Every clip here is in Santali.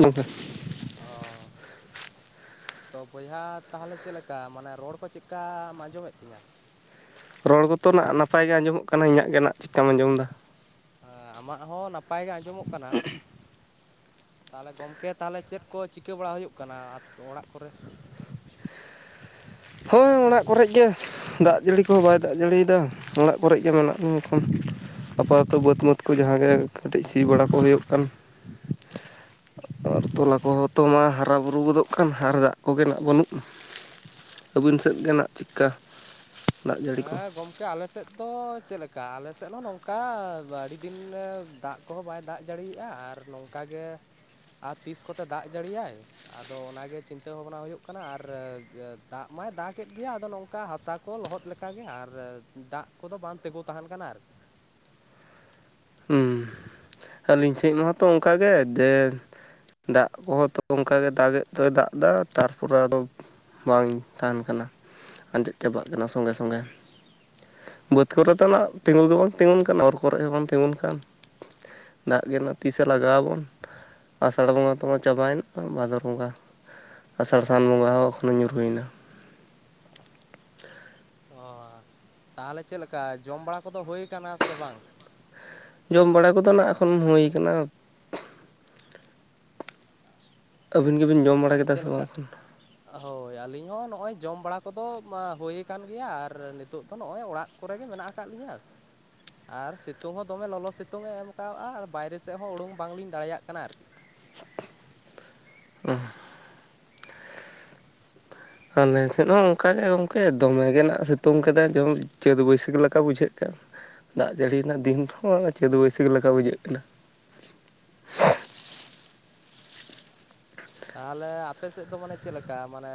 ᱱᱚᱝᱠᱟ᱾ ᱚ᱾ ᱛᱚ ᱵᱚᱭᱦᱟ ᱛᱟᱦᱚᱞᱮ ᱪᱮᱫ ᱞᱮᱠᱟ ᱢᱟᱱᱮ ᱨᱚᱲ ᱠᱚ ᱪᱮᱫᱠᱟᱢ ᱟᱸᱡᱚᱢᱮᱫ ᱛᱤᱧᱟ? ᱨᱚᱲ ᱠᱚᱛᱚ ᱱᱟᱜ ᱱᱟᱯᱟᱭ ᱜᱮ ᱟᱸᱡᱚᱢᱚᱜ ᱠᱟᱱᱟ ᱤᱧᱟᱹᱜ ᱜᱮ ᱱᱟᱜ ᱪᱤᱠᱠᱟᱢ ᱟᱸᱡᱚᱢᱮᱫᱟ᱾ ᱟ ᱟᱢᱟᱜ ᱦᱚᱸ ᱱᱟᱯᱟᱭ ᱜᱮ ᱟᱸᱡᱚᱢᱚᱜ ᱠᱟᱱᱟ᱾ ᱛᱟᱦᱚᱞᱮ ᱜᱚᱢᱠᱮ ᱛᱟᱦᱚᱞᱮ ᱪᱮᱫ ᱠᱚ ᱪᱤᱠᱟᱹ ᱵᱟᱲᱟ ᱦᱩᱭᱩᱜ ᱠᱟᱱᱟ ᱟᱛ ᱚᱲᱟᱜ ᱠᱚᱨᱮᱜ? ᱦᱳᱭ ᱚᱲᱟᱜ ᱠᱚᱨᱮᱜ ᱜᱮ᱾ ᱫᱟᱜ ᱡᱟᱹᱲᱤ ᱠᱚᱦᱚᱸ ᱵᱟᱭ ᱫᱟᱜ ᱡᱟᱹᱲᱤᱭᱫᱟ ᱚᱲᱟᱜ ᱠᱚᱨᱮᱜ ᱜᱮ ᱢᱮᱱᱟᱜ [inaudible] ᱟᱯᱟᱛᱚᱛᱚ ᱵᱟᱹᱛ ᱢᱟᱹᱛ ᱠᱚ ᱡᱟᱦᱟᱸᱜᱮ ᱠᱟᱹᱴᱤᱡ ᱥᱤ ᱵᱟᱲᱟ ᱠᱚ ᱦᱩᱭᱩᱜ ᱠᱟᱱ᱾ ᱟᱨ ᱛᱚᱞᱟ ᱠᱚᱦᱚᱸ ᱛᱚ ᱢᱟ ᱦᱟᱨᱟ ᱵᱩᱨᱩ ᱜᱚᱫᱚᱜ ᱠᱟᱱ ᱟᱨ ᱫᱟᱜ ᱠᱚᱜᱮ ᱱᱟᱜ ᱵᱟᱹᱱᱩᱜ᱾ ᱟᱹᱵᱤᱱ ᱥᱮᱫ ᱜᱮ ᱱᱟᱜ ᱪᱤᱠᱠᱟ? ᱦᱮᱸ ᱜᱚᱢᱠᱮ ᱟᱞᱮ ᱥᱮᱫ ᱫᱚ ᱪᱮᱫ ᱞᱮᱠᱟ ᱟᱞᱮ ᱥᱮᱫ ᱦᱚᱸ ᱱᱚᱝᱠᱟ ᱟᱹᱰᱤ ᱫᱤᱱ ᱫᱟᱜ ᱠᱚᱦᱚᱸ ᱵᱟᱭ ᱫᱟᱜ ᱡᱟᱹᱲᱤᱭᱟᱜᱼᱟ ᱟᱨ ᱱᱚᱝᱠᱟ ᱜᱮ ᱟᱨ ᱛᱤᱥ ᱠᱚᱛᱮ ᱫᱟᱜ ᱡᱟᱹᱲᱤᱭᱟᱭ᱾ ᱟᱫᱚ ᱚᱱᱟ ᱜᱮ ᱪᱤᱱᱛᱟᱹ ᱵᱷᱟᱵᱽᱱᱟ ᱦᱳᱭᱳᱜ ᱠᱟᱱᱟ ᱟᱨ ᱫᱟᱜ ᱢᱟᱭ ᱫᱟᱜᱮᱫ ᱜᱮᱭᱟ ᱟᱫᱚ ᱱᱚᱝᱠᱟ ᱦᱟᱥᱟ ᱠᱚ ᱞᱚᱦᱚᱫᱼᱼ ᱞᱮᱠᱟᱜ ᱜᱮ ᱟᱨ ᱫᱟᱜ ᱠᱚ ᱫᱚ ᱵᱟᱝ ᱛᱤᱸᱜᱳ ᱛᱟᱦᱮᱱ ᱠᱟᱱᱟ ᱟᱨᱠᱤ, ᱦᱮᱸ ᱟᱹᱞᱤᱧ ᱴᱷᱮᱡ ᱢᱟᱛᱚ ᱚᱝᱠᱟ ᱜᱮ ᱡᱮ, ᱫᱟᱜ ᱠᱚᱦᱚᱸ ᱛᱚ ᱚᱝᱠᱟ ᱜᱮ ᱫᱟᱜᱮᱫ ᱫᱚᱭ ᱫᱟᱜ ᱮᱫᱟ ᱛᱟᱨᱯᱚᱨᱮ ᱟᱫᱚ, ᱵᱟᱝ ᱛᱟᱦᱮᱸᱱ ᱠᱟᱱᱟ ᱟᱸᱡᱮᱫ ᱪᱟᱵᱟᱜ ᱠᱟᱱᱟ ᱥᱚᱸᱜᱮ ᱥᱚᱸᱜᱮ ᱾ ᱵᱟᱹᱫᱽ ᱠᱚᱨᱮ ᱫᱚ ᱱᱟᱜ ᱛᱤᱸᱜᱳ ᱜᱮᱵᱟᱝ ᱛᱤᱸᱜᱳᱱ ᱠᱟᱱᱟ ᱚᱨ ᱠᱚᱨᱮ ᱦᱚᱸᱵᱟᱝ ᱛᱤᱸᱜᱳᱱ ᱠᱟᱱᱟ ᱾ ᱠᱟᱱ ᱫᱟᱜ ᱜᱮ ᱚᱱᱟ ᱛᱤᱥᱮ ᱞᱟᱜᱟᱣ ᱟᱵᱚᱱ ᱟᱥᱟᱲ ᱵᱚᱸᱜᱟ ᱛᱚᱢᱟ ᱪᱟᱵᱟᱭᱮᱱ ᱾ ᱵᱷᱟᱫᱚᱨ ᱵᱚᱸᱜᱟ ᱟᱥᱟᱲ ᱥᱟᱱ ᱵᱚᱸᱜᱟ ᱦᱚᱸ ᱮᱠᱷᱚᱱᱳ ᱧᱩᱨ ᱦᱩᱭᱮᱱᱟ᱾ ᱚᱻ ᱛᱟᱦᱚᱞᱮ ᱪᱮᱫ ᱞᱮᱠᱟ ᱡᱚᱢ ᱵᱟᱲᱟ ᱠᱚ ᱫᱚ ᱦᱳᱭ ᱠᱟᱱᱟ ᱥᱮ ᱵᱟᱝ? ᱡᱚᱢ ᱵᱟᱲᱟ ᱠᱚ ᱫᱚ ᱱᱟᱜ ᱮᱠᱷᱚᱱ ᱦᱳᱭ ᱟᱠᱟᱱᱟ ᱾ [unintelligible] ᱟᱹᱵᱤᱱ ᱜᱤᱵᱤᱱ ᱡᱚᱢ ᱵᱟᱲᱟ ᱛᱟᱦᱚᱞᱮ ᱠᱮᱫᱟ ᱪᱮᱫ ᱥᱮ ᱵᱟᱝ ᱞᱮᱠᱟ ᱚᱠᱷᱚᱱ? ᱦᱳᱭ ᱟᱹᱞᱤᱧ ᱦᱚᱸ ᱱᱚᱜᱼᱚᱭ ᱡᱚᱢ ᱵᱟᱲᱟ ᱠᱚᱫᱚ ᱦᱦᱳᱭ ᱟᱠᱟᱱ ᱜᱮᱭᱟ ᱟᱨ ᱱᱤᱛᱳᱜ ᱫᱚ ᱱᱚᱜᱼᱚᱭ ᱚᱲᱟᱜ ᱠᱚᱨᱮ ᱜᱮ ᱢᱮᱱᱟᱜ ᱟᱠᱟᱫ ᱞᱤᱧᱟᱹᱥ᱾ ᱟᱨ ᱥᱮᱛᱳᱝ ᱦᱚᱸ ᱫᱚᱢᱮ ᱞᱚᱞᱚ ᱥᱮᱛᱳᱝ ᱮ ᱮᱢ ᱠᱟᱜᱼᱟ ᱟᱨ ᱵᱟᱭᱨᱮ ᱥᱮᱫ ᱦᱚᱸ ᱳᱲᱳᱝ ᱵᱟᱝᱞᱤᱧ ᱫᱟᱲᱮᱭᱟᱜ ᱠᱟᱱᱟ ᱟᱨᱠᱤ ᱾ [unintelligible] ᱟᱞᱮ ᱥᱮᱫ ᱦᱚᱸ ᱚᱝᱠᱟᱜᱮ ᱜᱚᱢᱠᱮ ᱫᱚᱢᱮ ᱱᱟᱜ ᱥᱮᱛᱳᱝ ᱠᱮᱫᱟᱭ ᱡᱮᱢ ᱪᱟᱹᱛ ᱵᱟᱹᱭᱥᱟᱹᱠᱷ ᱞᱮᱠᱟ ᱵᱩᱡᱷᱟᱹᱜ ᱠᱟᱱ ᱾ ᱫᱟᱜ ᱡᱟᱹᱲᱤ ᱨᱮᱱᱟᱜ ᱫᱤᱱ ᱦᱚᱸ ᱪᱟᱹᱛ ᱵᱟᱹᱭᱥᱟᱹᱠᱷ ᱞᱮᱠᱟ ᱵᱩᱡᱷᱟᱹᱜ ᱠᱟᱱᱟ᱾ ᱛᱟᱦᱚᱞᱮ ᱟᱯᱮ ᱥᱮᱫ ᱫᱚ ᱢᱟᱱᱮ ᱪᱮᱫ ᱞᱮᱠᱟ ᱢᱟᱱᱮ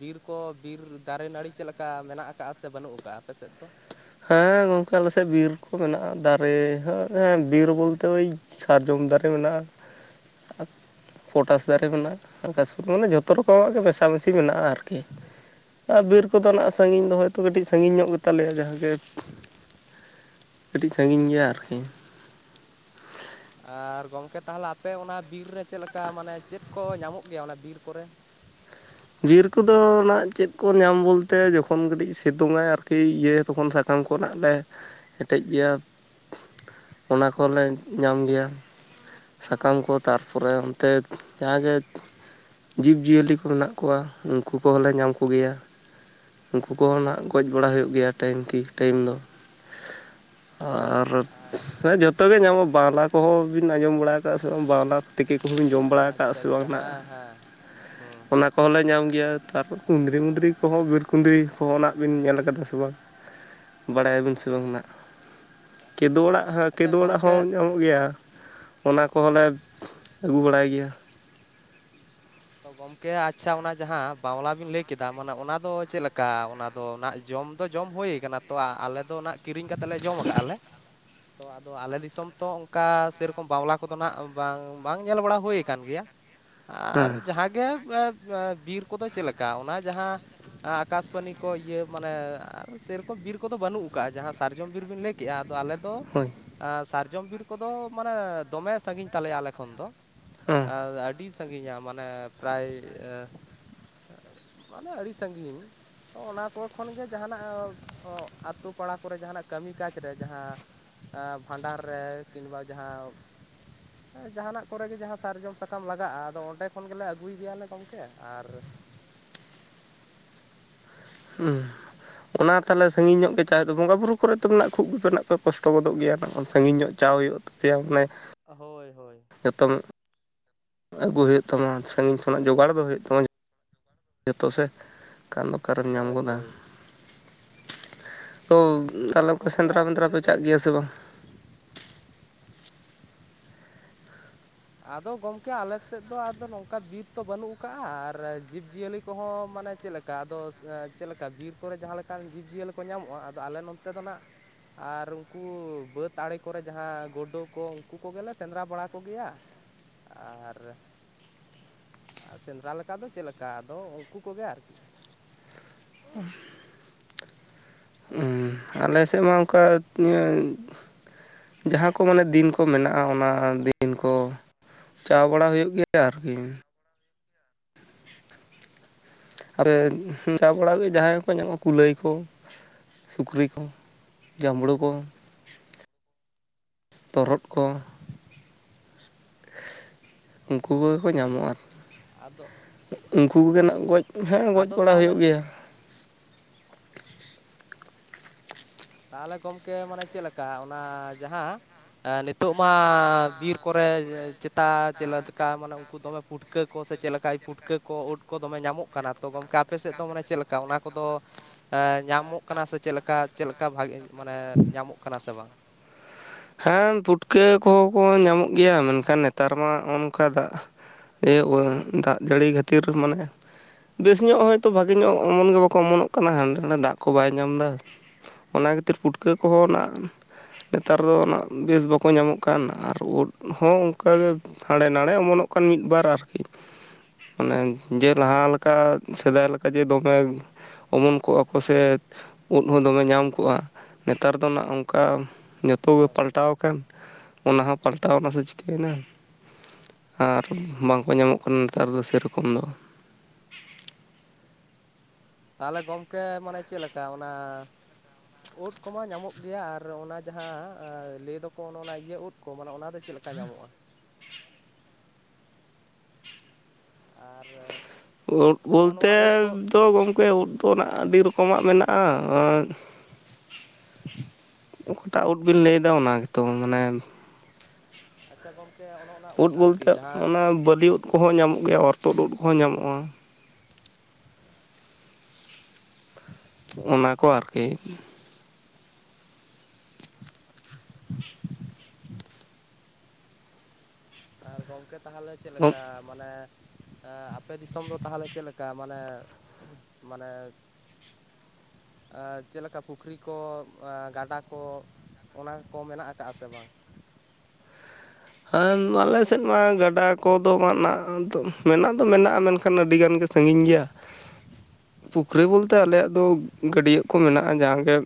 ᱵᱤᱨ ᱠᱚ ᱵᱤᱨ ᱫᱟᱨᱮ ᱱᱟᱹᱲᱤ ᱪᱮᱫ ᱞᱮᱠᱟ? ᱠᱟ ᱢᱮᱱᱟᱜ ᱟᱠᱟᱫᱼᱟ ᱥᱮ ᱵᱟᱹᱱᱩᱜ ᱟᱠᱟᱫᱼᱟ ᱟᱯᱮᱥᱮᱫ ᱫᱚ? ᱦᱮᱸ ᱜᱚᱢᱠᱮ ᱟᱞᱮ ᱥᱮᱫ ᱵᱤᱨ ᱠᱚ ᱢᱮᱱᱟᱜᱼᱟ ᱫᱟᱨᱮ ᱦᱚᱸ ᱦᱮᱸ ᱵᱤᱨ ᱵᱳᱞᱛᱮ ᱳᱭ, ᱥᱟᱨᱡᱚᱢ ᱫᱟᱨᱮ ᱢᱮᱱᱟᱜᱼᱟ᱾ ᱯᱚᱴᱟᱥ ᱫᱟᱨᱮ ᱢᱮᱱᱟᱜᱼᱟ ᱟᱠᱟᱥᱯᱟᱱᱤ ᱢᱟᱱᱮ ᱡᱚᱛᱚ ᱨᱚᱠᱚᱢᱟᱜ ᱜᱮ ᱢᱮᱥᱟᱢᱤᱥᱤ ᱢᱮᱱᱟᱜᱼᱟ ᱟᱨᱠᱤ ᱾ ᱟᱨ ᱵᱤᱨ ᱠᱚ ᱫᱚ ᱦᱟᱸᱜ ᱥᱟᱺᱜᱤᱧ ᱫᱚ ᱦᱳᱭᱛᱳ ᱠᱟᱹᱴᱤᱡ ᱥᱟᱺᱜᱤᱧ ᱧᱚᱜ ᱜᱮᱛᱟ ᱞᱮᱭᱟ ᱡᱟᱦᱟᱸᱜᱮ ᱾ ᱠᱟᱹᱴᱤᱡ ᱥᱟᱺᱜᱤᱧ ᱜᱮᱭᱟ ᱟᱨᱠᱤ᱾ ᱟᱨ ᱜᱚᱢᱠᱮ ᱛᱟᱦᱚᱞᱮ ᱟᱯᱮ ᱚᱱᱟ ᱵᱤᱨ ᱨᱮ ᱪᱮᱫ ᱞᱮᱠᱟ ᱢᱟᱱᱮ ᱪᱮᱫ ᱠᱚ ᱧᱟᱢᱚᱜ ᱜᱮᱭᱟ ᱚᱱᱟ ᱵᱤᱨ ᱠᱚ ᱨᱮ? ᱵᱤᱨ ᱠᱚ ᱫᱚ ᱚᱱᱟ ᱪᱮᱫ ᱠᱚ ᱧᱟᱢ ᱵᱳᱞᱛᱮ ᱡᱚᱠᱷᱚᱱ ᱠᱟᱹᱴᱤᱡ ᱥᱮᱛᱳᱝᱟᱭ ᱟᱨᱠᱤ ᱤᱭᱟᱹ ᱛᱚᱠᱷᱚᱱ ᱥᱟᱼᱼ ᱠᱟᱢ ᱠᱚ ᱱᱟᱜ ᱞᱮ ᱦᱮᱴᱮᱡ ᱜᱮᱭᱟ ᱚᱱᱟ ᱠᱚ ᱦᱚᱸᱞᱮ ᱧᱟᱢ ᱜᱮᱭᱟ ᱾ ᱥᱟᱠᱟᱢ ᱠᱚ ᱛᱟᱨᱯᱚᱨᱮ ᱚᱱᱛᱮ ᱡᱟᱦᱟᱸ ᱜᱮ, ᱡᱤᱵᱽᱡᱤᱭᱟᱹᱞᱤ ᱠᱚ ᱢᱮᱱᱟᱜ ᱠᱚᱣᱟ ᱩᱱᱠᱩ ᱠᱚ ᱦᱚᱸ ᱞᱮ ᱧᱟᱢ ᱠᱚ ᱜᱮᱭᱟ ᱾ ᱩᱱᱠᱩ ᱠᱚ ᱦᱚᱸ ᱱᱟᱜ ᱜᱚᱡ ᱵᱟᱲᱟ ᱦᱳᱭᱳᱜ ᱜᱮᱭᱟ ᱴᱟᱭᱤᱢ ᱠᱤ ᱴᱟᱭᱤᱢ ᱫᱚ, ᱾ ᱟᱨ ᱟᱨ ᱦᱮᱸ ᱡᱚᱛᱚ ᱜᱮ ᱧᱟᱢᱚᱜᱼᱟ, ᱵᱟᱣᱞᱟ ᱠᱚ ᱦᱚᱸ ᱵᱤᱱ ᱟᱸᱡᱚᱢ ᱵᱟᱲᱟ ᱠᱟᱜᱼᱟ ᱥᱮ ᱵᱟᱝ ᱵᱟᱣᱞᱟ? ᱛᱮᱠᱮ ᱠᱚᱦᱚᱸᱢ ᱵᱤᱱ ᱡᱚᱢ ᱵᱟᱲᱟ ᱟᱠᱟᱫ ᱟᱪᱪᱷᱟ ᱥᱮ ᱵᱟᱝ ᱟᱪᱪᱷᱟ ᱱᱟᱜ? ᱦᱮᱸ ᱦᱮᱸ ᱦᱩᱸ ᱚᱱᱟ ᱠᱚ ᱦᱚᱸ ᱞᱮ ᱧᱟᱢ ᱜᱮᱭᱟ ᱛᱟᱨᱯᱚᱨ ᱠᱩᱸᱫᱽᱨᱤ ᱢᱩᱫᱽᱨᱤ ᱠᱚ ᱦᱚᱸ ᱵᱤᱨ ᱠᱩᱸᱫᱽᱨᱤ ᱠᱚᱦᱚᱸ ᱱᱟᱜ ᱵᱮᱱ ᱧᱮᱞ ᱟᱠᱟᱫᱟ ᱥᱮ ᱵᱟᱝ? [unintelligible] ᱵᱟᱲᱟᱭᱟᱵᱤᱱ ᱥᱮ ᱚ ᱵᱟᱝ ᱱᱟᱜ ᱟᱪᱪᱷᱟ ᱠᱮᱫᱳ ᱚᱲᱟᱜ ᱦᱚᱸ ᱟᱪᱪᱷᱟ ᱠᱮᱫᱳ ᱚᱲᱟᱜ ᱦᱚᱸ ᱜᱚᱢᱠᱮ ᱧᱟᱢᱚᱜ ᱜᱮᱭᱟ ᱾ ᱚᱱᱟ ᱠᱚ ᱦᱚᱸ ᱞᱮ ᱟᱹᱜᱩ ᱵᱟᱲᱟᱭ ᱜᱮᱭᱟ᱾ ᱛᱚ ᱜᱚᱢᱠᱮ ᱟᱪᱪᱷᱟ, ᱚᱱᱟ ᱡᱟᱦᱟᱸ ᱵᱟᱣᱞᱟ ᱵᱮᱱ ᱞᱟᱹᱭ ᱠᱮᱫᱟ ᱢᱟᱱᱮ ᱚᱱᱟ ᱫᱚ ᱪᱮᱫ ᱞᱮᱠᱟ ᱚᱱᱟ? ᱫᱚ ᱱᱟᱜ ᱡᱚᱢ ᱫᱚ ᱡᱚᱢ ᱦᱳᱭ ᱠᱟᱱᱟ ᱛᱚ ᱟᱞᱮ ᱫᱚ ᱱᱟᱜ ᱠᱤᱨᱤᱧ ᱠᱟᱛᱮ ᱞᱮ ᱡᱚᱢ ᱠᱟᱜᱼᱟ ᱟᱞᱮ ᱾ ᱛᱚ ᱟᱫᱚ ᱟᱞᱮ ᱫᱤᱥᱚᱢ ᱛᱚ ᱚᱝᱠᱟ ᱥᱮᱨᱚᱠᱚᱢ ᱵᱟᱣᱞᱟ ᱠᱚ ᱫᱚ ᱱᱟᱜ ᱵᱟᱝ ᱵᱟᱝ ᱧᱮᱞ ᱵᱟᱲᱟ ᱦᱳᱭ ᱟᱠᱟᱱ ᱜᱮᱭᱟ ᱾ [unintelligible] ᱟᱨ ᱡᱟᱦᱟᱸᱜᱮ ᱟᱹᱻ ᱵᱤᱨ ᱠᱚ ᱫᱚ ᱪᱮᱫ ᱞᱮᱠᱟ ᱚᱱᱟ ᱡᱟᱦᱟᱸ, ᱟᱠᱟᱥᱯᱟᱱᱤ ᱠᱚ ᱤᱭᱟᱹ ᱢᱟᱱᱮ ᱟᱨ ᱥᱮᱨᱚᱠᱚᱢ ᱵᱤᱨ ᱠᱚ ᱫᱚ ᱵᱟᱹᱱᱩᱜ ᱠᱟᱜᱼᱟ, ᱡᱟᱦᱟᱸ ᱥᱟᱨᱡᱚᱢ ᱵᱤᱨ ᱵᱤᱱ ᱞᱟᱹᱭ ᱠᱮᱜᱼᱟ, ᱟᱫᱚ ᱟᱞᱮ ᱫᱚ ᱦᱳᱭ, ᱥᱟᱨᱡᱚᱢ ᱵᱤᱨ ᱠᱚᱫᱚ ᱢᱟᱱᱮ ᱫᱚᱢᱮ ᱥᱟᱺᱜᱤᱧ ᱛᱟᱞᱮᱭᱟ ᱟᱞᱮ ᱠᱷᱚᱱ ᱫᱚ ᱦᱮᱸ ᱟ ᱟᱹᱰᱤ ᱥᱟᱺᱜᱤᱧᱟ ᱢᱟᱱᱮ ᱯᱨᱟᱭ ᱢᱟᱱᱮ ᱟᱹᱰᱤ ᱥᱟᱺᱜᱤᱧ ᱾ ᱛᱚ ᱚᱱᱟ ᱠᱚ ᱠᱷᱚᱱ ᱜᱮ ᱡᱟᱦᱟᱸᱱᱟᱜ ᱚᱜ ᱟᱛᱳ ᱯᱟᱲᱟ ᱠᱚᱨᱮ ᱡᱟᱦᱟᱸᱱᱟᱜ ᱠᱟᱹᱢᱤ ᱠᱟᱡᱽ ᱨᱮ ᱡᱟᱦᱟᱸ ᱵᱷᱟᱸᱰᱟᱱ ᱨᱮ ᱠᱤᱱᱵᱟ ᱡᱟᱦᱟᱸ ᱮᱸ ᱡᱟᱦᱟᱸᱱᱟᱜ ᱠᱚᱨᱮ ᱜᱮ ᱡᱟᱦᱟᱸ ᱥᱟᱨᱡᱚᱢ ᱥᱟᱠᱟᱢ ᱞᱟᱜᱟᱜᱼᱟ ᱟᱫᱚ ᱚᱸᱰᱮ ᱠᱷᱚᱱ ᱜᱮᱞᱮ ᱟᱹᱜᱩᱭ ᱜᱮᱭᱟᱞᱮ ᱜᱚᱢᱠᱮ ᱟᱨ ᱩᱸ᱾ ᱚᱱᱟ ᱛᱟᱦᱚᱞᱮ ᱥᱟᱺᱜᱤᱧ ᱧᱚᱜ ᱜᱮ ᱪᱟᱜ ᱦᱩᱭᱩᱜ ᱛᱟᱯᱮ ᱵᱚᱸᱜᱟ ᱵᱩᱨᱩ ᱠᱚᱨᱮ ᱛᱚ ᱢᱮᱱᱟᱜ ᱠᱷᱩᱵ ᱜᱮᱯᱮ ᱱᱟᱜ ᱯᱮ ᱠᱚᱥᱴᱚ ᱜᱚᱫᱚᱜ ᱜᱮᱭᱟ ᱱᱟᱜ ᱥᱟᱺᱜᱤᱧᱚᱜ ᱪᱟᱣ ᱦᱩᱭᱩᱜᱼᱟ ᱛᱚ ᱯᱮᱭᱟ ᱢᱟᱱᱮ ᱦᱳᱭ ᱦᱳᱭ᱾ ᱡᱚᱛᱚᱝ ᱟᱹᱜᱩ ᱦᱩᱭᱩᱜ ᱛᱟᱢᱟ ᱥᱟᱺᱜᱤᱧ ᱠᱷᱚᱱᱟᱜ ᱡᱚᱜᱟᱲ ᱫᱚ ᱦᱩᱭᱩᱜ ᱛᱟᱢᱟ ᱡᱷᱚᱛᱚ ᱥᱮ ᱠᱷᱟᱱ ᱫᱚ ᱚᱠᱟᱨᱮᱢ ᱧᱟᱢ ᱦᱳᱭ ᱜᱚᱫᱟ? ᱦᱳᱭ ᱛᱚ ᱠᱟᱞᱚ ᱛᱟᱦᱚᱞᱮ ᱠᱚ ᱜᱚᱢᱠᱮ ᱥᱮᱸᱫᱽᱨᱟ ᱟᱯᱮ ᱢᱮᱸᱫᱽᱨᱟ ᱯᱮ ᱥᱮᱫ ᱫᱚ ᱪᱟᱜ ᱜᱮᱭᱟ ᱥᱮ ᱵᱟᱝ? ᱟᱫᱚ ᱜᱚᱢᱠᱮ ᱟᱞᱮ ᱥᱮᱫ ᱫᱚ ᱟᱫᱚ ᱱᱚᱝᱠᱟ ᱵᱤᱨ ᱛᱚ ᱵᱟᱹᱱᱩᱜ ᱠᱟᱜᱼᱟ ᱟᱨ ᱡᱤᱵᱽᱼᱡᱤᱭᱟᱹᱞᱤ ᱠᱚᱦᱚᱸ ᱢᱟᱱᱮ ᱪᱮᱫᱞᱮ ᱠᱟ ᱟᱫᱚ ᱪᱮᱫ ᱞᱮᱠᱟ ᱵᱤᱨ ᱠᱚᱨᱮ ᱡᱟᱦᱟᱸ ᱞᱮᱠᱟᱱ ᱡᱤᱵᱽᱼᱡᱤᱭᱟᱹᱞᱤ ᱠᱚ ᱧᱟᱢᱚᱜᱼᱟ ᱟᱫᱚ ᱟᱞᱮ ᱱᱚᱱᱛᱮ ᱫᱚ ᱱᱟᱜ ᱟᱨ ᱩᱝᱠᱩ ᱵᱟᱹᱫᱽ ᱟᱲᱮ ᱠᱚᱨᱮ ᱡᱟᱦᱟᱸ ᱜᱳᱰᱳ ᱠᱚ ᱩᱝᱠᱩ ᱠᱚᱜᱮᱞᱮ ᱥᱮᱸᱫᱽᱨᱟ ᱵᱟᱲᱟ ᱠᱚᱜᱮᱭᱟ, ᱟᱨ ᱥᱮᱸᱫᱽᱨᱟ ᱞᱮᱠᱟ ᱫᱚ ᱪᱮᱫ ᱞᱮᱠᱟ ᱟᱫᱚ ᱩᱱᱠᱩ ᱠᱚᱜᱮ ᱟᱨᱠᱤ᱾ ᱟᱞᱮ ᱥᱮᱫ ᱢᱟ ᱚᱝᱠᱟ ᱤᱭᱟᱹ ᱡᱟᱦᱟᱸ ᱠᱚ ᱢᱟᱱᱮ ᱫᱤᱱ ᱠᱚ ᱢᱮᱱᱟᱜᱼᱟ ᱚᱱᱟ ᱫᱤᱱ ᱠᱚ, ᱪᱟᱣ ᱵᱟᱲᱟ ᱦᱩᱭᱩᱜ ᱜᱮᱭᱟ ᱟᱨᱠᱤ᱾ ᱟᱨᱮ ᱡᱟᱣ ᱵᱟᱲᱟ ᱠᱟᱛᱮ ᱡᱟᱦᱟᱸᱭ ᱠᱚ ᱧᱟᱢᱚᱜᱼᱟ ᱠᱩᱞᱟᱹᱭ ᱠᱚ ᱥᱩᱠᱨᱤ ᱠᱚ ᱡᱟᱢᱲᱳ ᱠᱚ, ᱛᱚᱨᱦᱚᱫ ᱠᱚ ᱩᱝᱠᱩ ᱠᱚᱜᱮ ᱠᱚ ᱧᱟᱢᱚᱜᱼᱟ ᱟᱨᱠᱤ᱾ ᱟᱫᱚ ᱩᱝᱠᱩ ᱠᱚᱜᱮ ᱱᱟᱜ ᱜᱚᱡ ᱦᱮᱸ ᱜᱚᱡ ᱟᱫᱚ ᱵᱟᱲᱟ ᱛᱟᱦᱚᱞᱮ ᱦᱩᱭᱩᱜ ᱜᱮᱭᱟ, ᱛᱟᱦᱚᱞᱮ ᱜᱚᱢᱠᱮ ᱢᱟᱱᱮ ᱪᱮᱫ ᱞᱮᱠᱟ ᱚᱱᱟ ᱡᱟᱦᱟᱸ ᱮ ᱱᱤᱛᱚᱜ ᱢᱟ ᱵᱤᱨ ᱠᱚᱨᱮ ᱪᱮᱛᱟ ᱪᱮᱫ ᱞᱮᱠᱟ ᱢᱟᱱᱮ ᱩᱝᱠᱩ ᱫᱚᱢᱮ ᱯᱩᱴ ᱠᱟᱹ ᱠᱚ ᱥᱮ ᱪᱮᱫ ᱞᱮᱠᱟᱭ ᱯᱩᱴᱠᱟᱹ ᱠᱚ ᱳᱫᱽ ᱠᱚ ᱫᱚᱢᱮ ᱧᱟᱢᱚᱜ ᱠᱟᱱᱟ ᱛᱚ ᱜᱚᱢᱠᱮ ᱟᱯᱮ ᱥᱮᱫ ᱫᱚ ᱢᱟᱱᱮ ᱪᱮᱫ ᱞᱮᱠᱟ ᱚᱱᱟ ᱠᱚᱫᱚ ᱮ ᱧᱟᱢᱚᱜ ᱠᱟᱱᱟ ᱥᱮ ᱪᱮᱫᱠᱟ ᱪᱮᱫ ᱞᱮᱠᱟ ᱵᱷᱟᱜᱮ ᱢᱟᱱᱮ ᱧᱟᱢᱚᱜ ᱠᱟᱱᱟ ᱥᱮ ᱵᱟᱝ? ᱦᱮᱸ ᱯᱩᱴᱠᱟᱹ ᱠᱚᱦᱚᱸ ᱠᱚ ᱧᱟᱢᱚᱜ ᱜᱮᱭᱟ ᱢᱮᱱᱠᱷᱟᱱ ᱱᱮᱛᱟᱨ ᱢᱟᱜ ᱱᱚᱸᱜ ᱚᱝᱠᱟ ᱫᱟᱜ ᱮ ᱳᱭ ᱫᱟᱜ ᱡᱟᱹᱲᱤ ᱠᱷᱟᱹᱛᱤᱨ ᱢᱟᱱᱮ ᱵᱮᱥ ᱧᱚᱜ ᱦᱚᱭᱛᱳ ᱵᱷᱟᱜᱮ ᱧᱚᱜ ᱚᱢᱚᱱ ᱜᱮ ᱵᱟᱠᱚ ᱚᱢᱚᱱᱚᱜ ᱠᱟᱱᱟ ᱦᱟᱸᱰᱮ ᱱᱟᱰᱮ ᱫᱟᱜ ᱠᱚ ᱵᱟᱭ ᱧᱟᱢ ᱫᱟ, ᱚᱱᱟ ᱠᱷᱟᱹᱛᱤᱨ ᱯᱩᱴᱠᱟᱹ ᱠᱚᱦᱚᱸ ᱱᱟᱸᱜ ᱨᱚ ᱩᱱᱟᱜ ᱵᱮᱥ ᱵᱟᱠᱚ ᱧᱟᱢᱚᱜ ᱠᱟᱱ ᱟᱨ ᱩᱫᱽ ᱦᱚᱸ ᱚᱱᱠᱟᱜᱮ ᱦᱟᱸᱲᱮ ᱱᱟᱲᱮ ᱚᱢᱚᱱᱚᱜ ᱠᱟᱱ ᱢᱤᱫ ᱵᱟᱨ ᱟᱨᱠᱤ ᱢᱟᱱᱮ ᱡᱮ ᱞᱟᱦᱟ ᱞᱮᱠᱟ ᱥᱮᱫᱟᱭ ᱞᱮᱠᱟ ᱡᱮ ᱫᱚᱢᱮ ᱚᱢᱚᱱ ᱠᱚᱜᱼᱟ ᱠᱚ ᱥᱮ ᱳᱫᱽ ᱦᱚᱸ ᱫᱚᱢᱮ ᱧᱟᱢ ᱠᱚᱜᱼᱟ ᱱᱮᱛᱟᱨ ᱫᱚ ᱦᱟᱸᱜ ᱚᱝᱠᱟ ᱛᱳ ᱜᱮ ᱦᱳᱭ ᱯᱟᱞᱴᱟᱣ ᱠᱟᱱ ᱚᱱᱟ ᱦᱚᱸ ᱯᱟᱞᱴᱟᱣ ᱱᱟ ᱥᱮ ᱪᱤᱠᱟᱹᱭᱱᱟ? ᱟᱨ ᱵᱟᱝᱠᱚ ᱧᱟᱢᱚᱜ ᱠᱟᱱᱟ ᱱᱮᱛᱟᱨ ᱫᱚ ᱥᱮᱨᱚᱠᱚᱢ ᱫᱚ᱾ ᱛᱟᱦᱚᱞᱮ ᱜᱚᱝᱠᱮ ᱢᱟᱱᱮ ᱪᱮ ᱞᱮᱠᱟ ᱚᱱᱟ ᱳᱫᱽ ᱠᱚᱢᱟ ᱧᱟᱢᱚᱜ ᱜᱮᱭᱟ ᱟᱨ ᱚᱱᱟ ᱡᱟᱦᱟᱸ ᱞᱟᱹᱭ ᱫᱚᱠᱚ ᱚᱱᱮ ᱚᱱᱟ ᱤᱭᱟᱹ ᱩᱫᱽ ᱠᱚ ᱢᱟᱱᱮ ᱚᱱᱟ ᱫᱚ ᱪᱮᱫ ᱞᱮᱠᱟ ᱧᱟᱢᱚᱜᱼᱟ? ᱟᱨ ᱳᱫᱽ ᱱᱚᱜᱼᱚ ᱱᱚᱣᱟ ᱵᱚᱞᱛᱮ ᱩᱫ ᱠᱚ ᱫᱚ ᱜᱚᱢᱠᱮ ᱩᱫᱽ ᱦᱚᱲᱟᱜ ᱟᱹᱰᱤ ᱨᱚᱠᱚᱢᱟᱜ ᱢᱮᱱᱟᱜᱼᱟ, ᱟᱨ [inaudible] ᱚᱠᱟᱴᱟᱜ ᱩᱴ ᱵᱤᱱ ᱞᱟᱹᱭᱫᱟ ᱚᱱᱟ ᱜᱮᱛᱚ ᱢᱟᱱᱮ ᱟᱪᱪᱷᱟ ᱜᱚᱝᱠᱮ [unintelligible] ᱳᱫ ᱵᱚᱞᱛᱮ ᱚᱱᱟ ᱵᱟᱹᱞᱤ ᱩᱫ ᱠᱚᱦᱚᱸ ᱧᱟᱢᱚᱜ ᱜᱮᱭᱟ ᱚᱨᱛᱩᱚᱫ ᱩᱫ ᱠᱚᱦᱚᱸ ᱧᱟᱢᱚᱜᱼᱟ᱾ ᱦᱮ [inaudible] ᱚᱱᱟ ᱠᱚ ᱟᱨᱠᱤ᱾ ᱟ ᱜᱚᱝᱠᱮ ᱛᱟᱦᱚᱞᱮ ᱪᱮᱫ ᱞᱮᱠᱟ? ᱢᱟᱱᱮ ᱟᱯᱮ ᱫᱤᱥᱚᱢ ᱫᱚ ᱛᱟᱦᱚᱞᱮ ᱪᱮᱫ ᱞᱮᱠᱟ ᱢᱟᱱᱮ, [inaudible] ᱢᱟᱱᱮ ᱪᱮᱫ ᱞᱮᱠᱟ, ᱯᱩᱠᱷᱨᱤ ᱠᱚ ᱜᱟᱰᱟ ᱠᱚ.? ᱚᱱᱟ ᱠᱚ ᱢᱮᱱᱟᱜ ᱟᱠᱟᱫ ᱥᱮ ᱵᱟᱝ? ᱦᱮ ᱟᱞᱮ ᱥᱮᱫ ᱢᱟ ᱜᱟᱰᱟ ᱠᱚᱫᱚ ᱢᱟ ᱫᱚ ᱢᱮᱱᱟᱜ ᱫᱚ ᱢᱮᱱᱟᱜᱼᱟ, ᱢᱮᱱᱠᱷᱟᱱ ᱮᱱᱠᱷᱟᱱ ᱟᱹᱰᱤᱜᱟᱱ ᱜᱮ ᱥᱟᱺᱜᱤᱧ ᱜᱮᱭᱟ᱾ ᱯᱩᱠᱷᱨᱤ ᱵᱚᱞᱛᱮ ᱟᱞᱮᱭᱟᱜ ᱫᱚ ᱜᱟᱹᱰᱭᱟᱹ ᱠᱚ ᱢᱮᱱᱟᱜᱼᱟ ᱡᱟᱦᱟᱸ ᱜᱮ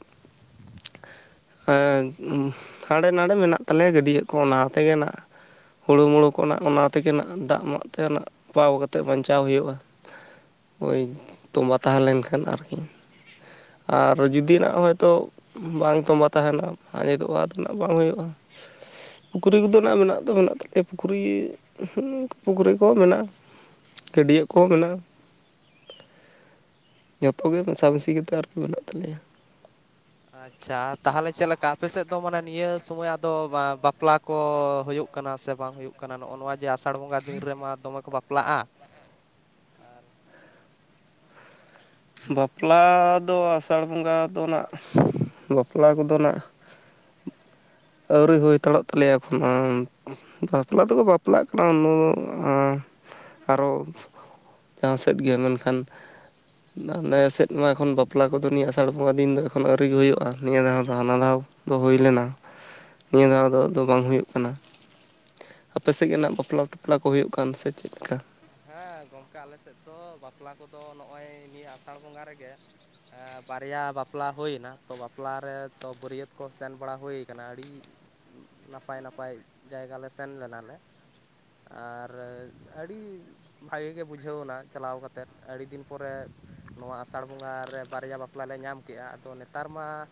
ᱦᱮᱸ ᱦᱟᱸᱰᱮ ᱱᱟᱰᱮ ᱢᱮᱱᱟᱜ ᱛᱟᱞᱮᱭᱟ ᱜᱟᱹᱰᱭᱟᱹ ᱠᱚ ᱚᱱᱟ ᱛᱮᱜᱮ ᱱᱟᱜ ᱦᱳᱲᱳᱢᱳᱲᱳ ᱠᱚ ᱱᱟ ᱚᱱᱟ ᱛᱮᱜᱮ ᱱᱟ ᱫᱟᱜ ᱢᱟᱜ ᱛᱮ ᱱᱟ ᱯᱟᱣ ᱠᱟᱛᱮᱫ ᱵᱟᱧᱪᱟᱣ ᱦᱳᱭᱳᱜᱼᱟ᱾ ᱳᱭ ᱛᱚᱸᱵᱟ ᱛᱟᱦᱮᱸ ᱞᱮᱱᱠᱷᱟᱱ ᱟᱨᱠᱤ᱾ ᱟᱨ ᱡᱩᱫᱤᱱᱟᱜ ᱦᱚᱭᱛᱳ, ᱵᱟᱝ ᱛᱚᱸᱵᱟ ᱛᱟᱦᱮᱸᱱᱟ, ᱟᱸᱡᱮᱫᱚᱜᱼᱟ ᱵᱟᱸᱫ ᱨᱮᱱᱟᱜ ᱵᱟᱝ ᱦᱚᱭᱳᱜᱼᱟ, ᱯᱩᱠᱷᱨᱤ ᱠᱚᱫᱚ ᱢᱮᱱᱟᱜ ᱫᱚ ᱢᱮᱱᱟᱜ ᱛᱟᱞᱮᱭᱟ, ᱯᱩᱠᱷᱨᱤ ᱯᱩᱠᱷᱨᱤ ᱠᱚᱦᱚᱸ ᱢᱮᱱᱟᱜᱼᱟ᱾ ᱜᱟᱹᱰᱭᱟᱹ ᱠᱚᱦᱚᱸ ᱢᱮᱱᱟᱜᱼᱟ᱾ ᱡᱚᱛᱚ ᱜᱮ ᱢᱮᱥᱟᱢᱤᱥᱤ ᱠᱟᱛᱮᱫ ᱟᱨᱠᱤ ᱢᱮᱱᱟᱜ ᱛᱟᱞᱮᱭᱟ᱾ ᱟᱪᱷᱟ ᱛᱟᱦᱚᱞᱮ ᱪᱮᱫᱞᱮᱠᱟ ᱟᱯᱮᱥᱮᱫ ᱫᱚ ᱢᱟᱱᱮ ᱱᱤᱭᱟᱹ ᱥᱚᱢᱚᱭ ᱟᱫᱚ ᱵᱟᱯᱞᱟ, ᱠᱚ ᱦᱳᱭᱳᱜ ᱠᱟᱱᱟ ᱥᱮ ᱵᱟᱝ ᱦᱳᱭᱳᱜ ᱠᱟᱱᱟ᱾ ᱱᱚᱜᱼᱚ ᱱᱚᱣᱟ ᱡᱮ ᱟᱥᱟᱲ ᱵᱚᱸᱜᱟ ᱫᱤᱱ ᱨᱮᱢᱟ ᱫᱚᱢᱮ ᱠᱚ ᱵᱟᱯᱞᱟᱜᱼᱟ᱾ ᱟᱨ [inaudible] ᱵᱟᱯᱞᱟ ᱫᱚ ᱟᱥᱟᱲ ᱵᱚᱸᱜᱟ ᱫᱚ ᱱᱟᱜ ᱵᱟᱯᱞᱟ ᱠᱚᱫᱚ ᱱᱟᱜ [inaudible] ᱟᱹᱣᱨᱤ ᱦᱩᱭ ᱦᱟᱛᱟᱲᱚᱜ ᱛᱟᱞᱮᱭᱟ ᱮᱠᱷᱚᱱᱳ᱾ ᱵᱟᱯᱞᱟ ᱛᱮᱠᱚ ᱵᱟᱯᱞᱟᱜ ᱠᱟᱱᱟ ᱩᱱᱟᱹ ᱟᱸ ᱟᱨᱚ ᱪᱮᱛᱟᱱ ᱥᱮᱫ ᱜᱮ ᱢᱮᱱᱠᱷᱟᱱ, ᱟᱞᱮ ᱥᱮᱫ ᱢᱟ ᱮᱠᱷᱚᱱ ᱵᱟᱯᱞᱟ ᱠᱚᱫᱚ ᱱᱤᱭᱟᱹ ᱟᱥᱟᱲ ᱵᱚᱸᱜᱟ ᱫᱤᱱ ᱫᱚ ᱮᱠᱷᱚᱱ ᱟᱹᱣᱨᱤᱮ ᱦᱩᱭᱩᱜᱼᱟ, ᱱᱤᱭᱟᱹ ᱫᱷᱟᱣ ᱫᱚ ᱦᱟᱱᱟ ᱫᱷᱟᱣ᱾- ᱫᱚ ᱦᱩᱭ ᱞᱮᱱᱟ, [unintelligible] ᱱᱤᱭᱟᱹ ᱫᱷᱟᱣ‌ ᱫᱚ ᱟᱫᱚ ᱵᱟᱝ ᱦᱩᱭᱩᱜ ᱠᱟᱱᱟ᱾ ᱟᱯᱮ ᱥᱮᱫ ᱜᱮ ᱱᱟᱜ ᱵᱟᱯᱞᱟᱼᱴᱟᱯᱞᱟ ᱠᱚ ᱦᱩᱭᱩᱜ ᱠᱟᱱ ᱥᱮ ᱪᱮᱫᱞ ᱞᱮᱠᱟ? ᱦᱮᱸ ᱜᱚᱝᱠᱮ ᱟᱞᱮ ᱥᱮᱫ ᱫᱚ ᱵᱟᱯᱞᱟ ᱠᱚᱫᱚ ᱱᱚᱜᱼᱚᱭ ᱱᱤᱭᱟᱹ ᱟᱥᱟᱲ ᱵᱚᱸᱜᱟ ᱨᱮᱜᱮ᱾ ᱮᱸ ᱵᱟᱨᱭᱟ ᱵᱟᱯᱞᱟ ᱦᱩᱭᱱᱟ ᱛᱚ ᱵᱟᱯᱞᱟ ᱨᱮ ᱛᱚ ᱵᱟᱹᱨᱭᱟᱹᱛ ᱠᱚ ᱥᱮᱱ ᱵᱟᱲᱟ ᱦᱩᱭ ᱠᱟᱱᱟ᱾ ᱟᱹᱰᱤ ᱱᱟᱯᱟᱭ ᱱᱟᱯᱟᱭ ᱡᱟᱭᱜᱟ ᱞᱮ ᱥᱮᱱ ᱞᱮᱱᱟᱞᱮ᱾ ᱟᱨ ᱟᱹᱰᱤ, ᱵᱷᱟᱜᱤ ᱜᱮ ᱵᱩᱡᱷᱟᱹᱣᱱᱟ ᱪᱟᱞᱟᱣ ᱠᱟᱛᱮ ᱟᱹᱰᱤ ᱫᱤᱱ ᱯᱚᱨᱮ ᱱᱚᱣᱟ ᱟᱥᱟᱲ ᱵᱚᱸᱜᱟᱮ ᱨᱮ ᱵᱟᱨᱭᱟ ᱵᱟᱯ ᱢᱟᱱᱮ ᱧᱟᱢ ᱠᱮᱜᱼᱟ. ᱟᱫᱚ ᱱᱮᱛᱟᱨ ᱢᱟ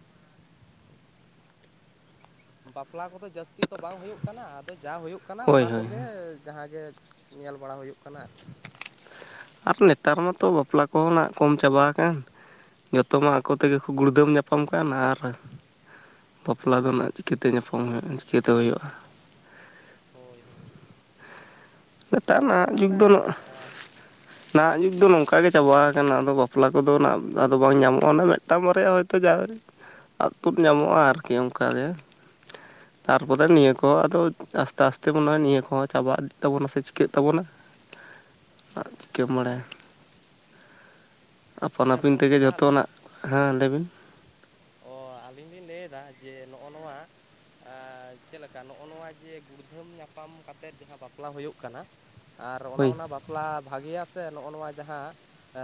ᱵᱟᱯᱞᱟ ᱠᱚᱫᱚ ᱡᱟᱹᱥᱛᱤ ᱫᱚ ᱵᱟᱝ ᱦᱚᱭᱳᱜ ᱠᱟᱱᱟ ᱟᱫᱚ ᱡᱟ ᱦᱚᱭᱳᱜ ᱠᱟᱱᱟ ᱦᱳᱭ ᱚᱱᱟ ᱦᱳᱭ ᱠᱚᱜᱮ ᱡᱟᱦᱟᱸᱜᱮ- ᱧᱮᱞ ᱵᱟᱲᱟ ᱦᱚᱭᱳᱜ ᱠᱟᱱᱟ ᱟᱨᱠᱤ᱾ ᱟᱨ ᱱᱮᱛᱟᱨ ᱢᱟᱛᱚ ᱵᱟᱯᱞᱟ ᱠᱚᱦᱚᱸ ᱱᱟᱜ ᱠᱚᱢ ᱪᱟᱵᱟ ᱟᱠᱟᱱ᱾ ᱡᱚᱛᱚ ᱢᱟ ᱟᱠᱚᱛᱜᱮ ᱠᱚ ᱜᱩᱲᱫᱟᱹᱢ ᱧᱟᱯᱟᱢ ᱠᱟᱜᱼᱟ ᱱᱟ ᱟᱨ, ᱵᱟᱯᱞᱟ ᱫᱚ ᱱᱟᱸᱜ ᱪᱤᱠᱟᱹᱛᱮ ᱧᱟᱯᱟᱢ ᱦᱩᱭᱩᱜᱼᱟ ᱪᱤᱠᱟᱹᱛᱮ ᱦᱚᱭᱳᱜᱼᱟ᱾ ᱦᱳᱭ ᱦᱳᱭ [inaudible] ᱱᱮᱛᱟᱨ ᱜᱚᱢᱠᱮ ᱱᱟᱦᱟᱜ ᱡᱩᱜᱽ ᱫᱚ ᱛᱟᱦᱚᱞᱮ ᱱᱚᱜᱥᱭ, ᱱᱟᱦᱟᱜ ᱡᱩᱜᱽ ᱫᱚ ᱱᱚᱝᱠᱟ ᱜᱮ ᱪᱟᱵᱟ ᱟᱠᱟᱱᱟ ᱟᱫᱚ ᱵᱟᱯᱞᱟ ᱠᱚ ᱫᱚ ᱱᱟᱜ ᱟᱫᱚ ᱵᱟᱝ ᱧᱟᱢᱚᱜᱼᱟ, ᱚᱱᱟ ᱢᱤᱴ ᱢᱤᱫᱴᱟᱝ ᱵᱟᱨᱭᱟ ᱦᱚᱭᱛᱚ ᱡᱟ ᱟᱫ ᱛᱩᱫ ᱧᱟᱢᱚᱜᱼᱟ ᱟᱨᱠᱤ ᱚᱱᱠᱟ ᱜᱮ᱾ ᱛᱟᱨᱯᱚᱨᱮ ᱱᱤᱭᱟᱹ ᱠᱚ ᱟᱫᱚ ᱟᱥᱛᱮ ᱟᱥᱛᱮ ᱢᱚᱱᱮ ᱦᱚᱭ ᱱᱤᱭᱟᱹ ᱠᱚ ᱦᱚᱸ ᱪᱟᱵᱟᱜ᱾ ᱛᱟᱵᱚᱱᱟ ᱥᱮ ᱪᱤᱠᱟᱹᱜ ᱛᱟᱵᱚᱱᱟ ᱪᱤᱠᱟᱹᱢ ᱵᱟᱲᱟᱭ ᱾ ᱟᱯᱟᱱ ᱟᱪᱪᱷᱟ ᱟᱹᱯᱤᱱ ᱛᱮ ᱜᱮ ᱡᱷᱚᱛᱚᱱᱟᱜ ᱠᱷᱟᱱ ᱞᱮᱵᱤᱱ, ᱚᱻ ᱟᱹᱞᱤᱧ ᱞᱤᱧ ᱞᱟᱹᱭ ᱮᱫᱟ ᱡᱮ ᱱᱚᱜᱼᱚ ᱱᱚᱣᱟ ᱮᱸ ᱪᱮᱫ ᱞᱮᱠᱟ ᱱᱚᱜᱼᱚ ᱱᱚᱣᱟ ᱡᱮ ᱜᱩᱲᱫᱷᱟᱹᱢ ᱧᱟᱯᱟᱢ ᱠᱟᱛᱮᱫ ᱡᱟᱦᱟᱸ ᱵᱟᱯᱞᱟ ᱦᱳᱭᱳᱜ ᱠᱟᱱᱟ, ᱟᱨ ᱚᱱᱮ ᱦᱳᱭ ᱚᱱᱟ ᱵᱟᱯᱞᱟ ᱵᱷᱟᱜᱮᱭᱟ ᱥᱮ ᱱᱚᱜᱼᱚ ᱱᱚᱣᱟ ᱡᱟᱦᱟᱸ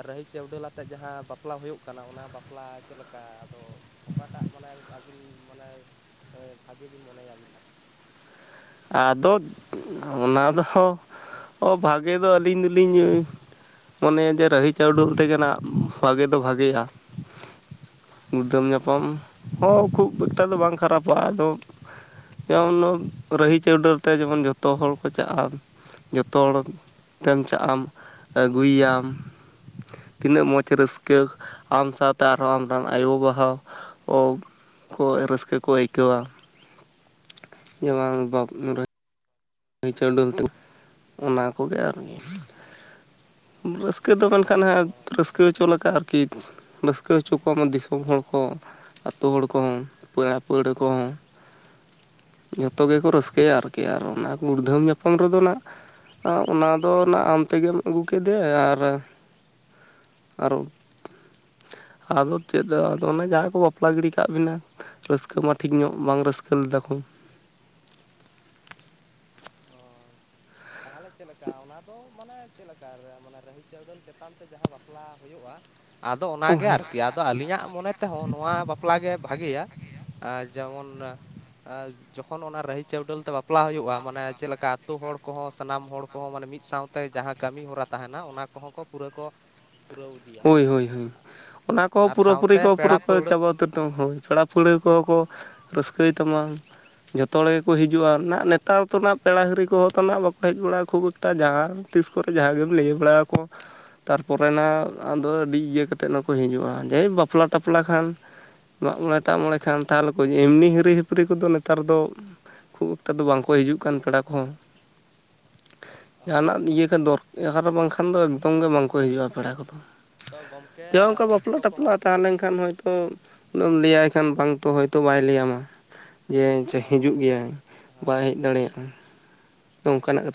ᱨᱟᱹᱦᱤ ᱪᱟᱹᱣᱰᱟᱹᱞ ᱟ ᱡᱟᱦᱟᱸ ᱵᱟᱯᱞᱟ ᱦᱳᱭᱳᱜ ᱠᱟᱱᱟ ᱚᱱᱟ ᱵᱟᱯᱞᱟ ᱪᱮᱫ ᱞᱮᱠᱟ ᱟᱫᱚ ᱚᱠᱟᱴᱟᱜ ᱢᱟᱱᱮ ᱟᱹᱵᱤᱱ ᱢᱟᱱᱮ ᱵᱷᱟᱹᱜᱮ ᱵᱤᱱ ᱢᱚᱱᱮᱭᱟᱵᱤᱱ ᱦᱟᱸᱜ, ᱟᱫᱚ ᱚᱱᱟ ᱫᱚ ᱵᱷᱟᱜᱮ ᱫᱚ ᱟᱹᱞᱤᱧ ᱫᱩᱞᱤᱧ ᱢᱚᱱᱮᱭᱟ ᱡᱮ ᱨᱟᱹᱦᱤ ᱪᱟᱹᱣᱰᱟᱹᱞ ᱛᱮᱜᱮᱱᱟᱜ ᱵᱷᱟᱜᱮ ᱫᱚ ᱵᱷᱟᱜᱮᱜ-ᱟ᱾ ᱜᱩᱲᱫᱷᱟᱹᱢ ᱧᱟᱯᱟᱢ ᱦᱚᱸ ᱠᱷᱩᱵ᱿ ᱮᱠᱴᱟ ᱫᱚ ᱵᱟᱝ ᱠᱷᱟᱨᱟᱯᱟ ᱟᱫᱚ ᱡᱮᱢᱚᱱ ᱨᱟᱹᱦᱤ ᱪᱟᱹᱣᱰᱟᱹᱞ ᱛᱮ ᱡᱮᱢᱚᱱ ᱡᱚᱛᱚ ᱦᱚᱲ ᱠᱚ ᱪᱟᱜᱼᱟ ᱾ ᱡᱚᱛᱚ ᱦᱚᱲ ᱛᱮᱢ ᱪᱟᱜ-ᱟᱢ ᱟᱹᱜᱩᱭᱟᱢ, ᱛᱤᱱᱟᱹᱜ ᱢᱚᱡᱽ ᱨᱟᱹᱥᱠᱟᱹ ᱟᱢ ᱥᱟᱶᱛᱮ ᱟᱨᱦᱚᱸ ᱟᱢ ᱨᱮᱱ ᱟᱭᱳᱼᱵᱟᱵᱟ ᱦᱚᱸ, ᱠᱚ ᱨᱟᱹᱥᱠᱟᱹ ᱠᱚ ᱟᱹᱭᱠᱟᱹᱣᱟ ᱾ [inaudible] ᱨᱟᱹᱦᱤ ᱪᱟᱹᱣᱰᱟᱹᱞ ᱛᱮ ᱚᱱᱟ ᱠᱚ ᱜᱮ ᱟᱨᱠᱤ, ᱨᱟᱹᱥᱠᱟᱹ ᱫᱚ ᱠᱟᱱᱟ ᱦᱚᱸ ᱨᱟᱹᱥᱠᱟᱹ ᱦᱚᱪᱚ ᱞᱮᱠᱟ ᱟᱨᱠᱤ ᱨᱟᱹᱥᱠᱟᱹ ᱦᱚᱪᱚ ᱠᱚᱢ ᱫᱤᱥᱚᱢ ᱦᱚᱲ ᱠᱚ ᱟᱹᱛᱳ ᱦᱚᱲ ᱠᱚ ᱦᱚᱸ ᱯᱮᱲᱟ ᱯᱟᱹᱲᱦᱟᱹ ᱠᱚ ᱦᱚᱸ ᱾ ᱡᱚᱛᱚ ᱜᱮ ᱠᱚ ᱨᱟᱹᱥᱠᱟᱹᱭᱟ ᱟᱨᱠᱤ ᱟᱨ ᱚᱱᱟ ᱠᱩᱲᱫᱷᱟᱹᱢ ᱧᱟᱯᱟᱢ ᱨᱮ ᱫᱚ ᱱᱟᱜ ᱚᱱᱟ ᱫᱚ ᱱᱟᱜ ᱟᱢ ᱛᱮᱜᱮᱢ ᱟᱹᱜᱩ ᱠᱮᱫᱮ ᱟᱨ, ᱟᱨᱚ, ᱟᱫᱚ ᱪᱮᱫ ᱫᱚ ᱟᱫᱚ ᱚᱱᱮ ᱡᱟᱦᱟᱸᱭ ᱠᱚ ᱵᱟᱯᱞᱟ ᱜᱤᱲᱤ ᱠᱟᱜ ᱵᱤᱱᱟ ᱾ ᱨᱟᱹᱥᱠᱟᱹ ᱢᱟ ᱴᱷᱤᱠ ᱧᱚᱜ ᱵᱟᱝ ᱨᱟᱹᱥᱠᱟᱹ ᱞᱮᱫᱟ ᱠᱚ ᱾ ᱚ ᱛᱟᱦᱚᱞᱮ ᱪᱮᱫ ᱞᱮᱠᱟ ᱚᱱᱟ ᱫᱚ, ᱢᱟᱱᱮ ᱪᱮᱫ ᱞᱮᱠᱟ ᱢᱟᱱᱮ ᱨᱟᱹᱦᱤ ᱪᱟᱹᱰᱟᱹᱞ ᱪᱮᱛᱟᱱ ᱛᱮ ᱡᱟᱦᱟᱸ ᱵᱟᱯᱞᱟ ᱦᱳᱭᱳᱜᱼᱟ, ᱟᱫᱚ ᱚᱱᱟ ᱚ ᱜᱮ ᱦᱮᱸ ᱟᱨᱠᱤ ᱟᱫᱚ ᱟᱹᱞᱤᱧᱟᱜ ᱢᱚᱱᱮ ᱛᱮᱦᱚᱸ ᱱᱚᱣᱟ ᱵᱟᱯᱞᱟ ᱜᱮ ᱵᱷᱟᱜᱮᱭᱟ ᱾ ᱟᱨ ᱡᱮᱢᱚᱱ ᱡᱚᱠᱷᱚᱱ ᱚᱱᱟ ᱨᱟᱦᱤ ᱪᱟᱹᱣᱰᱟᱹᱞ ᱛᱮ ᱵᱟᱯᱞᱟ ᱦᱳᱭᱳᱜᱼᱟ, ᱢᱟᱱᱮ ᱪᱮᱞᱮᱠᱟ ᱟᱛᱳ ᱦᱚᱲ ᱠᱚᱦᱚᱸ ᱥᱟᱱᱟᱢ ᱦᱚᱲ ᱠᱚᱦᱚᱸ ᱢᱟᱱᱮ ᱢᱤᱫ ᱥᱟᱶᱛᱮ ᱡᱟᱦᱟᱸ ᱠᱟᱹᱢᱤ ᱦᱚᱨᱟ ᱛᱟᱦᱮᱱᱟ ᱚᱱᱟ ᱠᱚ ᱦᱚᱸ ᱠᱚ ᱯᱩᱨᱟᱹ ᱠᱚ [unintelligible] ᱯᱩᱨᱟᱹᱣ ᱤᱫᱤ᱾ ᱦᱳᱭ-ᱦᱳᱭ-ᱦᱳᱭ ᱚᱱᱟ ᱠᱚ ᱯᱩᱨᱟᱹᱯᱩᱨᱤ ᱥᱟᱶᱛᱮ ᱠᱚ ᱯᱮᱲᱟ ᱯᱩᱨᱟᱹᱣ ᱠᱚ ᱯᱟᱹᱲᱦᱟᱹ ᱪᱟᱵᱟ ᱫᱚ ᱦᱳᱭ ᱯᱮᱲᱟ ᱯᱟᱹᱲᱦᱟᱹ ᱠᱚ ᱦᱚᱸ ᱠᱚ ᱨᱟᱹᱥᱠᱟᱹᱭ ᱛᱟᱢᱟ ᱾ ᱡᱚᱛᱚ ᱦᱚᱲ ᱜᱮ ᱠᱚ ᱦᱤᱡᱩᱜᱼᱟ ᱱᱟᱜ ᱱᱮᱛᱟᱨ ᱫᱚ ᱱᱟᱜ ᱯᱮᱲᱟ ᱦᱤᱨᱤ ᱠᱚ ᱦᱚᱸ ᱛᱚ ᱱᱟᱦᱟᱜ ᱵᱟᱠᱚ ᱦᱮᱡ ᱵᱟᱲᱟᱜᱼᱟ ᱠᱷᱩᱵᱽ ᱴᱟ ᱡᱟᱦᱟᱸ ᱛᱤᱥ ᱠᱚᱨᱮ ᱡᱟᱦᱟᱸ ᱜᱮᱢ ᱞᱟᱹᱭ ᱵᱟᱲᱟ ᱟᱠᱚ ᱛᱟᱨᱯᱚᱨᱮ ᱱᱟ ᱟᱫᱚ ᱟᱹᱰᱤ ᱤᱭᱟᱹ ᱠᱟᱛᱮᱫ ᱱᱟᱠᱚ ᱦᱤᱡᱩᱜᱼᱟ ᱡᱟᱭᱦᱳᱠ ᱵᱟᱯᱞᱟᱼ ᱴᱟᱯᱞᱟ ᱠᱷᱟᱱ, ᱢᱟᱜ ᱢᱚᱬᱮ ᱴᱟᱜᱼᱢᱚᱬᱮ ᱠᱷᱟᱱ ᱛᱟᱦᱚᱞᱮ ᱠᱚ ᱮᱢᱱᱤ ᱦᱤᱨᱤ ᱦᱤᱯᱨᱤ ᱠᱚ ᱫᱚ ᱱᱮᱛᱟᱨ ᱫᱚ, ᱠᱷᱩᱵᱽ ᱚᱠᱴᱟ ᱫᱚ ᱵᱟᱝᱠᱚ ᱦᱤᱡᱩᱜ ᱠᱟᱱ ᱯᱮᱲᱟ ᱠᱚ ᱦᱚᱸ, ᱡᱟᱦᱟᱱᱟᱜ ᱦᱳᱭ ᱤᱭᱟᱹ ᱦᱳᱭ ᱠᱷᱟᱱ ᱫᱚᱨᱠᱟᱨ ᱟᱨ ᱵᱟᱝᱠᱷᱟᱱ ᱫᱚ ᱮᱠᱫᱚᱢ ᱜᱮ ᱵᱟᱝ ᱠᱚ ᱦᱤᱡᱩᱜᱼᱟ ᱯᱮᱲᱟ ᱠᱚ ᱫᱚ ᱾ ᱛᱚ ᱜᱚᱢ ᱡᱟ ᱚᱝᱠᱟ ᱵᱟᱯᱞᱟ ᱴᱟᱯᱞᱟ ᱛᱟᱦᱮᱸ ᱞᱮᱱ ᱠᱷᱟᱱ ᱦᱚᱭᱛᱚ ᱩᱱᱮᱢ ᱞᱟᱹᱭᱟᱭ ᱠᱷᱟᱱ ᱵᱟᱝ ᱛᱚ ᱦᱚᱭ ᱛᱚ ᱵᱟᱭ ᱞᱟᱹᱭ ᱟᱢᱟ ᱾ ᱡᱮ ᱦᱤᱡᱩᱜ ᱜᱚᱢᱠᱮ ᱜᱮᱭᱟᱭ ᱦᱮᱸ ᱵᱟᱭ ᱦᱮᱡ ᱦᱮᱸ ᱫᱟᱲᱮᱭᱟᱜᱼᱟ ᱛᱚ ᱚᱝᱠᱟᱱᱟᱜ ᱠᱟᱛᱷᱟ